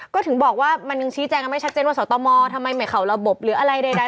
ก็ถึงบอกว่ามันยังชี้แจงกันไม่ชัดเจนว่าสตมทำไมไม่เข่าระบบหรืออะไรใด